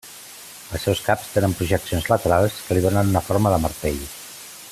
Els seus caps tenen projeccions laterals que li donen una forma de martell.